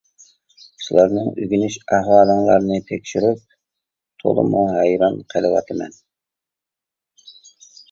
سىلەرنىڭ ئۆگىنىش ئەھۋالىڭلارنى تەكشۈرۈپ تولىمۇ ھەيران قېلىۋاتىمەن.